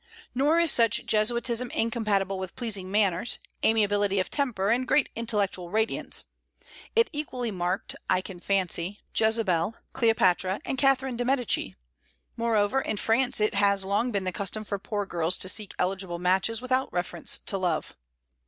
Nor is such Jesuitism incompatible with pleasing manners, amiability of temper, and great intellectual radiance; it equally marked, I can fancy, Jezebel, Cleopatra, and Catherine de Médicis. Moreover, in France it has long been the custom for poor girls to seek eligible matches without reference to love.